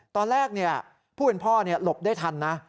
ตอนแรกเนี่ยผู้เป็นพ่อเนี่ยหลบได้ทันนะ